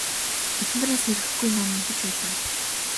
Эхнэр нь сэрэхгүй нам унтаж байлаа.